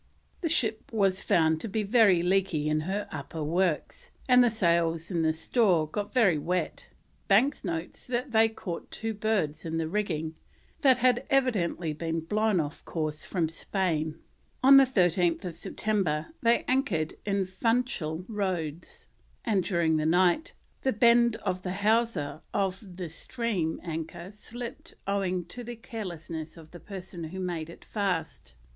The ship was found to be very leaky in her upper works, and the sails in the store got very wet. Banks notes that they caught two birds in the rigging that had evidently been blown off the coast of Spain. On 13th September they anchored in Funchal Roads, and during the night "the Bend of the Hawser of the stream anchor slip'd owing to the carelessness of the person who made it fast."